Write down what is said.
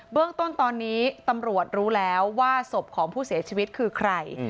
เรื่องต้นตอนนี้ตำรวจรู้แล้วว่าศพของผู้เสียชีวิตคือใคร